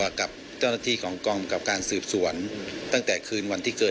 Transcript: หากผู้ต้องหารายใดเป็นผู้กระทำจะแจ้งข้อหาเพื่อสรุปสำนวนต่อพนักงานอายการจังหวัดกรสินต่อไป